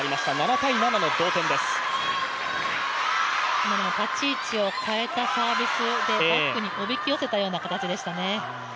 今のも立ち位置を変えたサービスでバックにおびき寄せたような形でしたね。